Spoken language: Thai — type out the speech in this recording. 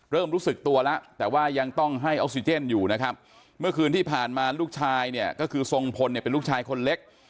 เริ่มรู้สึกตัวแล้วแต่ว่ายังต้องให้ออกซิเจนอยู่นะครับเมื่อคืนที่ผ่านมาลูกชายเนี่ยก็คือทรงพลเนี่ยเป็นลูกชายคนเล็ก